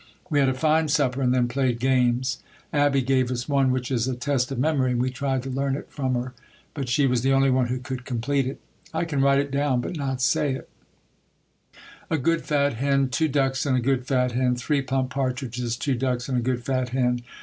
We had a fine supper and then played games. Abbie gave us one which is a test of memory and we tried to learn it from her but she was the only one who could complete it. I can write it down, but not say it: A good fat hen. Two ducks and a good fat hen. Three plump partridges, two ducks and a good fat hen.